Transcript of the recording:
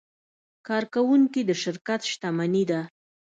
کارکوونکي د شرکت شتمني ده.